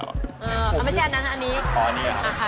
อ๋อไม่ใช่อันนั้นอันนี้อ๋ออันนี้